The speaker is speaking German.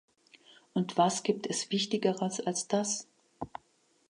Und was gibt es wichtigeres als das?